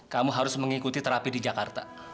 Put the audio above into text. kamu harus mengikuti terapi di jakarta